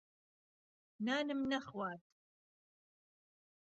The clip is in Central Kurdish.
نانم نەخوارد.